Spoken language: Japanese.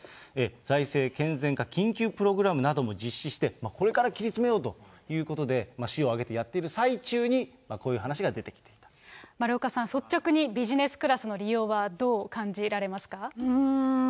財政健全化緊急プログラムなども実施して、これから切り詰めようということで、市を挙げてやっている丸岡さん、率直にビジネスクラスの利用はどう感じられますか。